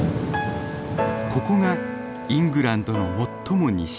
ここがイングランドの最も西。